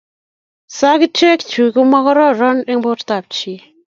sagitek chu komagororon eng bortab chii